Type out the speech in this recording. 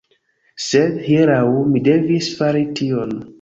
Sed, hieraŭ, mi devis fari tion.